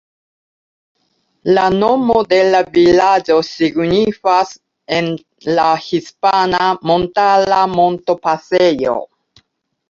La nomo de la vilaĝo signifas en la hispana "Montara Montopasejo".